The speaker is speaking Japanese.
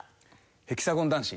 ヘキサゴン男子。